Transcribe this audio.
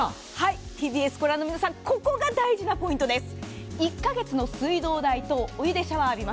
ＴＢＳ、御覧の皆さん、ここが大事なポイントです。